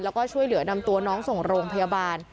แล้วก็ช่วยเหลือนำตัวน้องส่งโรงพยาบาล